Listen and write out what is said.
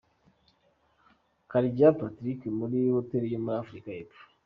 Karegeya Patrick muri Hotel yo muri Afrika y’epfo